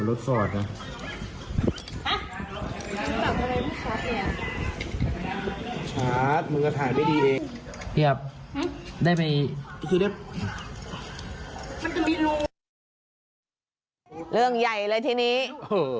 เรื่องใหญ่เลยทีนี้โอ้โห